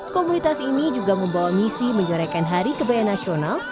komunitas ini juga membawa misi menyorakan hari kebaya nasional